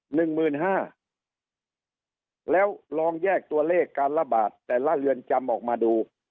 หนึ่งหมื่นห้าแล้วลองแยกตัวเลขการระบาดแต่ละเรือนจำออกมาดู